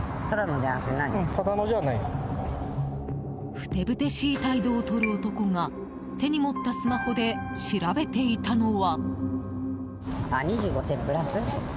ふてぶしい態度を取る男が手に持ったスマホで調べていたのは。